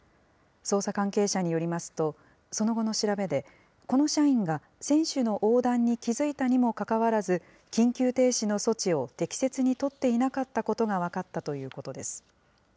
捜査関係者によりますと、その後の調べで、この社員が選手の横断に気付いたにもかかわらず、緊急停止の措置を適切に取っていなかったことが分かったということです。